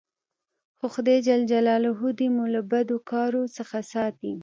خو خداى جل جلاله دي مو له بدو کارو څخه ساتي.